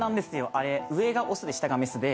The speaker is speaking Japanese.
あれ上がオスで下がメスで。